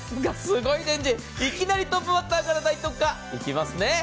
いきなりトップバッターから大特価、いきますね。